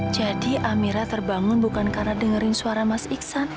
amira terbangun bukan karena dengerin suara mas iksan